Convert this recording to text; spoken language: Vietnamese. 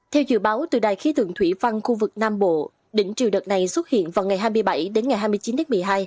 theo dự báo từ đài khí tượng thủy văn khu vực nam bộ đỉnh triều đợt này xuất hiện vào ngày hai mươi bảy đến ngày hai mươi chín tháng một mươi hai